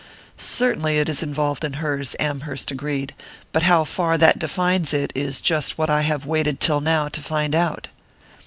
"Certainly it is involved in hers," Amherst agreed; "but how far that defines it is just what I have waited till now to find out."